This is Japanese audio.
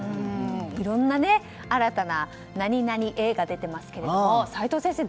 いろんな新たな「何々エ」が出ていますけども齋藤先生